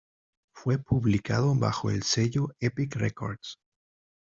Fue publicado bajo el sello Epic Records.